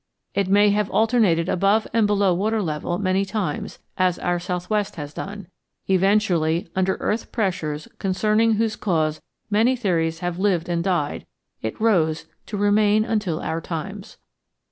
It may have alternated above and below water level many times, as our southwest has done. Eventually, under earth pressures concerning whose cause many theories have lived and died, it rose to remain until our times.